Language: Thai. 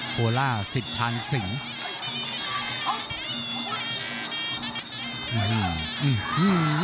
โฮล่าสิทธาสิงห์